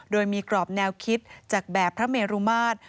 โดยมีกรอบแนวคิดจากแบบพระเมรุมาตร